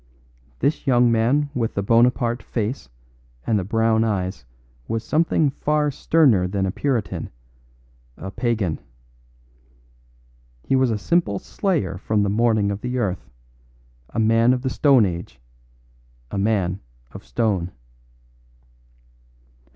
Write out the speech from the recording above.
This young man with the Bonaparte face and the brown eyes was something far sterner than a puritan a pagan. He was a simple slayer from the morning of the earth; a man of the stone age a man of stone.